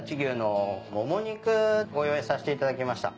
ご用意させていただきました。